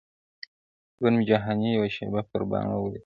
ژوند مي جهاني یوه شېبه پر باڼو ولیکه-